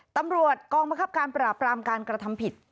ตำรวจกองบังคับการปราบรามการกระทำผิด